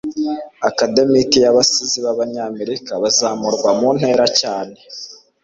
akademiki y'abasizi b'abanyamerika bazamurwa mu ntera cyane